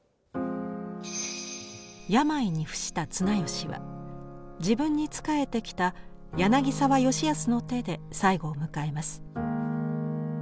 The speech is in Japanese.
病に伏した綱吉は自分に仕えてきた柳沢吉保の手で最期を迎えます。